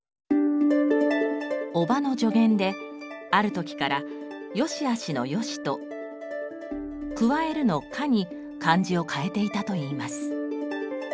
叔母の助言である時からよしあしの「良」と加えるの「加」に漢字を変えていたといいます。